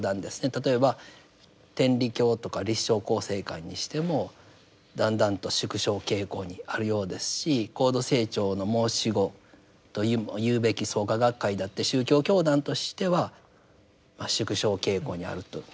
例えば天理教とか立正佼成会にしてもだんだんと縮小傾向にあるようですし高度成長の申し子というべき創価学会だって宗教教団としてはまあ縮小傾向にあるとえ言えるかと思います。